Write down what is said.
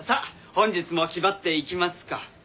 本日も気張っていきますか。